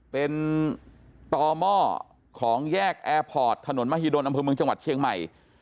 เป็นต่อหม้อของแยกแอร์พอร์ตถนนมหิดลอำเภอเมืองจังหวัดเชียงใหม่